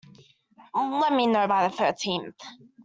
Let me know by the thirteenth.